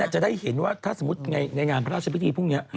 จะได้เห็นว่าถ้าสมมุติในงานพระราชพิธีพรุ่งนี้